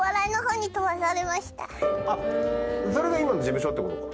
あっそれが今の事務所って事か。